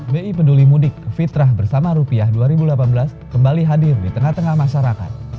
bi peduli mudik fitrah bersama rupiah dua ribu delapan belas kembali hadir di tengah tengah masyarakat